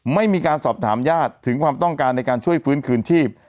ไม่มีการสอบถามญาติถึงความต้องการในการช่วยฟื้นคืนชีพ